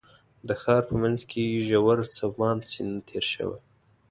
د ښار په منځ کې یې ژور څپاند سیند تېر شوی.